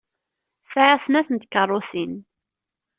Sɛiɣ snat n tkeṛṛusin.